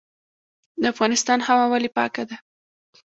د افغانستان هوا ولې پاکه ده؟